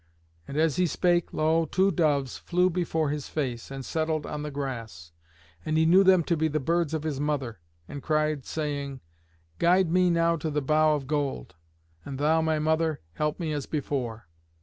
And as he spake, lo! two doves flew before his face, and settled on the grass, and he knew them to be the birds of his mother, and cried, saying, "Guide me now to the bough of gold, and thou, my mother, help me as before."